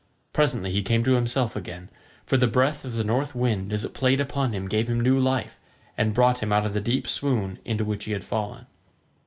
Presently he came to himself again, for the breath of the north wind as it played upon him gave him new life, and brought him out of the deep swoon into which he had fallen.